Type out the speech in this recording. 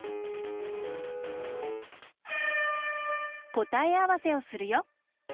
こたえあわせをするよ。